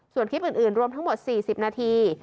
ส่วนคลิปอื่นรวมทั้งหมด๔๐นาที